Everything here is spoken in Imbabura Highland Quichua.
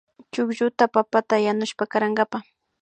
Chuklluta papata yanushpa karankapa